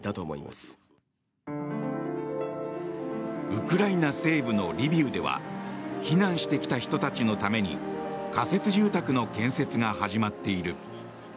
ウクライナ西部のリビウでは避難してきた人たちのために仮設住宅の建設が始まっている。